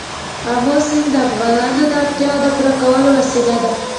آمو سیند د افغانانو د اړتیاوو د پوره کولو وسیله ده.